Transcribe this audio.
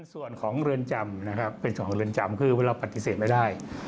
ส่วนของเรือนจำนะครับเป็นส่วนของเรือนจำคือเราปฏิเสธไม่ได้